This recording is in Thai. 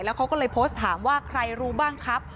เขาก็เลยโพสต์ถามว่าใครรู้บ้างครับ